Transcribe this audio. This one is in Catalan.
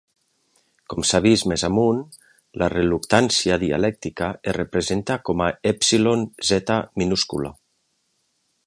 Com s'ha vist més amunt, la reluctància dielèctrica es representa com a "èpsilon z minúscula".